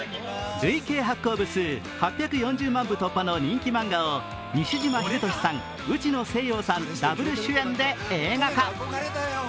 累計発行部数８４０万部突破の人気漫画を西島秀俊さん、内野聖陽さん、ダブル主演で映画化。